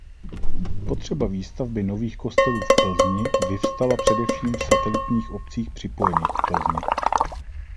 Potřeba výstavby nových kostelů v Plzni vyvstala především v satelitních obcích připojených k Plzni.